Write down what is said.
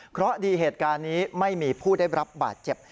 เพราะดีเหตุการณ์นี้ไม่มีผู้ได้รับบาดเจ็บ